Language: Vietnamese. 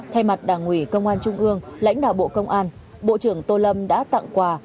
thay mặt đảng ủy công an trung ương lãnh đạo bộ công an bộ trưởng tô lâm đã tặng quà